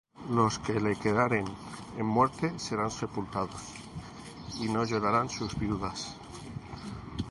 Los que le quedaren, en muerte serán sepultados; Y no llorarán sus viudas.